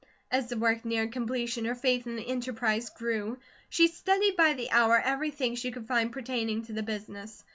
As the work neared completion, her faith in the enterprise grew. She studied by the hour everything she could find pertaining to the business.